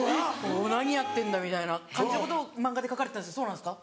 「何やってんだ」みたいな感じのことを漫画で描かれてたんですけどそうなんですか？